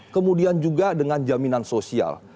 kemudian juga dengan jaminan sosial